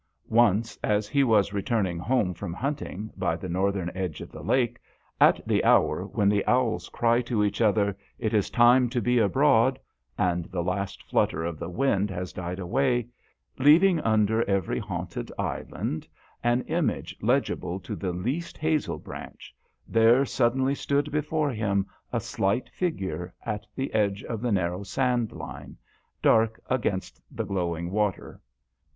Once, as he was returning home from hunting, by the northern edge of the lake, at the hour when the owls cry to each other, "It is time to be abroad," and the last flutter of the wind has died away, leaving under every haunted island an image legible to the least hazel branch, there suddenly stood before him a slight figure, at the edge of the narrow sand line, dark against the glowing water.